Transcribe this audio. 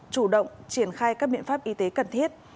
chủ động triển khai các biện pháp y tế cần thiết